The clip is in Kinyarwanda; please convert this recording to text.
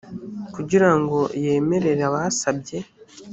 kugira ngo yemerere abasabye